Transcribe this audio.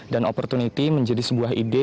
dan opportunity menjadi sebuah ide